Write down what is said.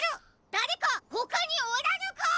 だれかほかにおらぬか！？